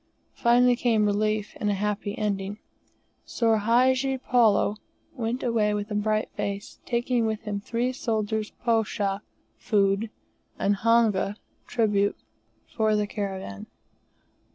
Finally came relief, and a happy ending. Soor Hadji Palloo went away with a bright face, taking with him the three soldiers' posho (food), and honga (tribute) for the caravan.